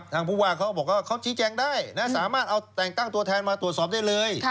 ผู้ว่าเขาบอกว่าเขาชี้แจงได้นะสามารถเอาแต่งตั้งตัวแทนมาตรวจสอบได้เลย